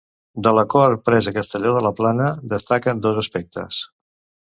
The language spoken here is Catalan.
De l'acord pres a Castelló de la Plana destaquen dos aspectes.